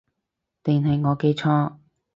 定係我記錯